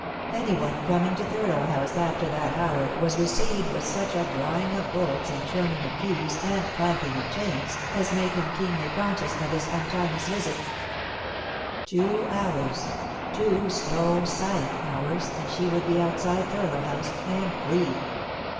Any one coming to Thurlow House after that hour was received with such drawing of bolts and turning of keys and clanking of chains, as made him keenly conscious of his un timeous visit. Two hours, two slow silent hours, and she would be outside Thurlow House, and free.